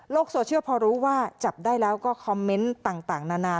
โซเชียลพอรู้ว่าจับได้แล้วก็คอมเมนต์ต่างนานา